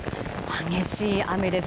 激しい雨です。